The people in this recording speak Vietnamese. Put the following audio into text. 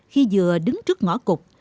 khi vừa đứng trước ngõ cục